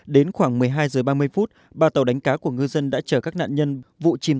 đến khoảng một mươi hai h ba mươi sáng nay tàu đã bị chìm